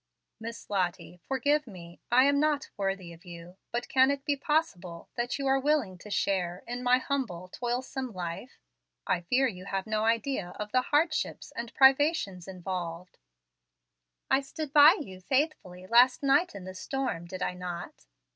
"Miss Lottie, forgive me. I am not worthy of you. But can it be possible that you are willing to share in my humble, toilsome life? I fear you have no idea of the hardships and privations involved." "I stood by you faithfully last night in the storm, did I not?"